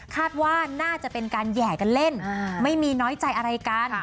คาดว่าน่าจะเป็นการแห่กันเล่นไม่มีน้อยใจอะไรกัน